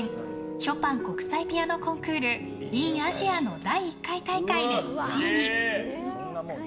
ショパン国際ピアノコンクールｉｎＡＳＩＡの第１回大会で１位に。